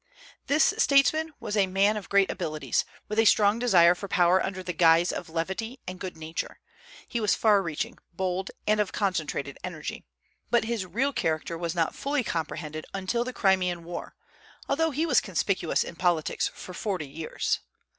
This statesman was a man of great abilities, with a strong desire for power under the guise of levity and good nature. He was far reaching, bold, and of concentrated energy; but his real character was not fully comprehended until the Crimean war, although he was conspicuous in politics for forty years.